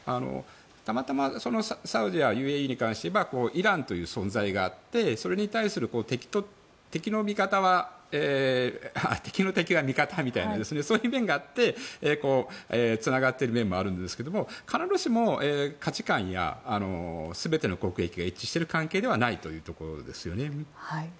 たまたま、サウジやＵＡＥに関していえばイランという存在があってそれに対する敵の敵は味方みたいな面もあってつながっている面もあるんですが必ずしも価値観や全ての国益が一致している関係ではないということですよね。